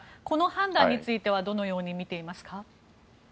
この判断についてはどのように見ていますか？